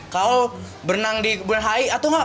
kaul berenang di kebun hai atau gak